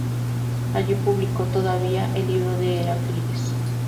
Allí publicó todavía el Libro de Heráclides.